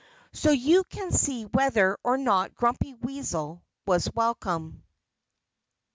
So you can see whether or not Grumpy Weasel was welcome.